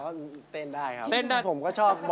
กับพอรู้ดวงชะตาของเขาแล้วนะครับ